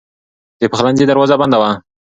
د پخلنځي دروازه بنده وه.